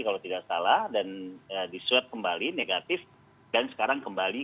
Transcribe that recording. kalau tidak salah dan diswab kembali negatif dan sekarang kembali